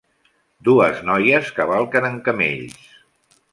Dues noies cavalquen en camells